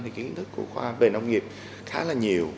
thì kiến thức của khoa về nông nghiệp khá là nhiều